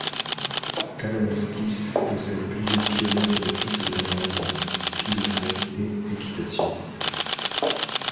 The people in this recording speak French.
Kananaskis possède plusieurs kilomètres de piste de randonnée, ski de fond et équitation.